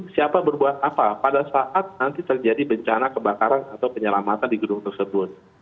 siapa berbuat apa pada saat nanti terjadi bencana kebakaran atau penyelamatan di gedung tersebut